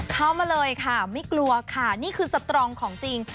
เข้ามาเลยค่ะไม่กลัวค่ะนี่คือสตรองของจริง